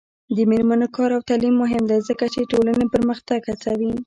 د میرمنو کار او تعلیم مهم دی ځکه چې ټولنې پرمختګ هڅوي.